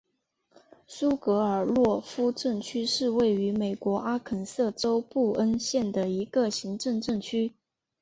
苏格尔洛夫镇区是位于美国阿肯色州布恩县的一个行政镇区。